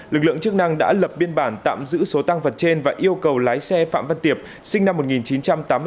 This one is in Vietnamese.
lực lượng chức năng đã lập biên bản tạm giữ số tăng vật trên và yêu cầu lái xe phạm văn tiệp sinh năm một nghìn chín trăm tám mươi bốn